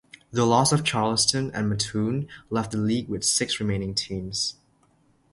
The loss of Charleston and Mattoon left the league with six remaining teams.